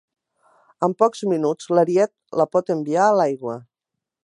En pocs minuts, l'ariet la pot enviar a l'aigua.